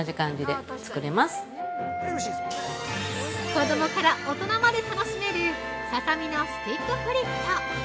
◆子供から大人まで楽しめるささみのスティックフリット。